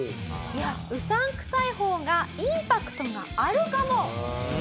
「いやうさんくさい方がインパクトがあるかも！」。